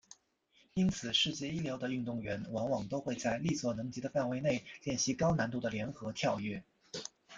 因此世界一流的运动员往往都会在力所能及的范围内练习高难度的联合跳跃。